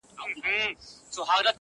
له آمو تر مست هلمنده مامن زما دی!